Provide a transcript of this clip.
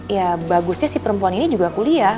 ya bagusnya si perempuan ini juga kuliah